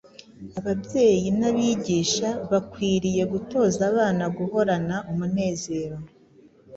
Ababyeyi n’abigisha bakwiriye gutoza abana guhorana umunezero,